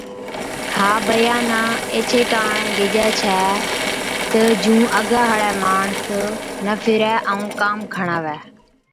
ها بِيانا ايڇي ڪاڻ گيهجَي ڇَي تہ جُون اگا هاڙَي ماڻس نہ ڦِرَي ائُون ڪام کڻاوَي۔